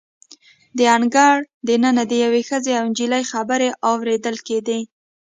د انګړ د ننه د یوې ښځې او نجلۍ خبرې اوریدل کیدې.